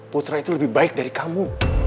putra itu lebih baik dari kamu